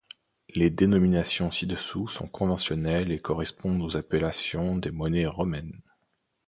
Les dénominations ci-dessous sont conventionnelles et correspondent aux appellations des monnaies romaines.